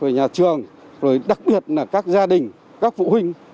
nhà trường đặc biệt là các gia đình các phụ huynh